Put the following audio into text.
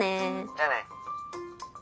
じゃあね。